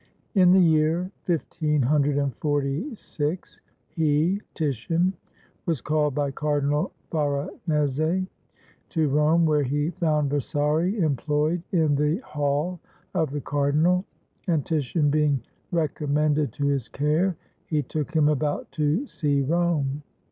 ] In the year 1546 he [Titian] was called by Cardinal Far nese to Rome, where he found Vasari employed in the hall of the cardinal, and Titian being recommended to his care, he took him about to see Rome.